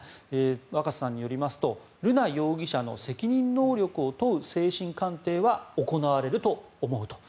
若狭さんによりますと瑠奈容疑者の責任能力を問う精神鑑定は行われると思うと。